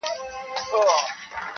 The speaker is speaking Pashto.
پلټنه د کور دننه پيل کيږي,